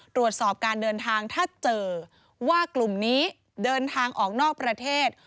ตรวจสอบการเดินทางถ้าเจอว่ากลุ่มนี้เดินทางออกนอกประเทศ